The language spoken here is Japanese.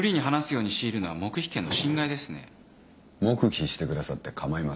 黙秘してくださって構いません。